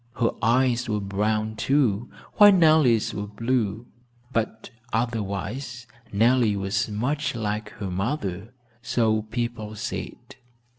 Her eyes were brown, too, while Nellie's were blue, but otherwise Nellie was much like her mother, so people said.